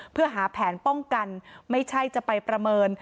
เพื่อหาแผนป้องกันไม่ใช่จะไปประเมิน